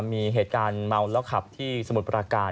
มีเหตุการณ์เมาแล้วขับที่สมุทรประการ